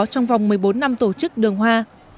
trong vòng một mươi bốn năm tổ chức đường hoa